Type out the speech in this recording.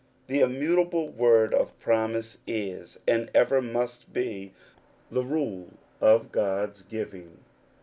The immutable word of promise is, and ever must be, the rule of God*s giving.